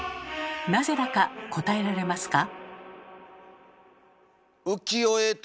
なぜだか答えられますか？